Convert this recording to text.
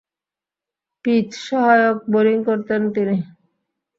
Pitch সহায়ক bowling করতেন তিনি।